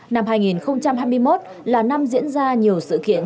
năm hai nghìn hai mươi một là năm diễn ra nhiều sự kiện